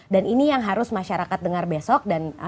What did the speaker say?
dan ini yang harus masyarakat dengar besok dan kemudian